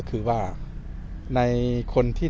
สวัสดีครับ